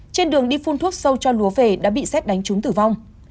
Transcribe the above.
trên đường đi phun thuốc sâu cho lúa về đã bị xét đánh trúng tử vong